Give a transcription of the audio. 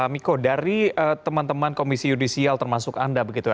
miko dari teman teman komisi yudisial termasuk anda begitu ya